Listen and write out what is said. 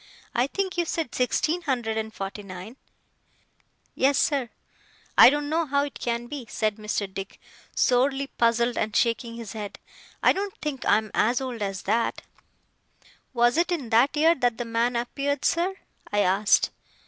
I think you said sixteen hundred and forty nine?' 'Yes, sir.' 'I don't know how it can be,' said Mr. Dick, sorely puzzled and shaking his head. 'I don't think I am as old as that.' 'Was it in that year that the man appeared, sir?' I asked.